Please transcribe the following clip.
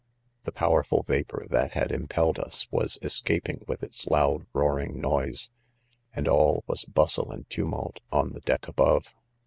The powerful vapor that had im pelled us was escaping with its loud roaring ii£ise r and all was bustle and~tumulfe ©n the deck above.